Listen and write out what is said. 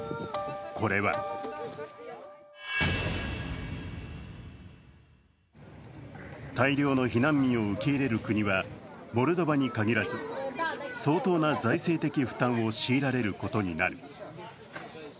これは大量の避難民を受け入れる国はモルドバに限らず相当な財政的負担を強いられることになる。